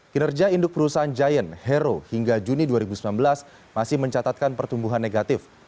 kinerja induk perusahaan giant hero hingga juni dua ribu sembilan belas masih mencatatkan pertumbuhan negatif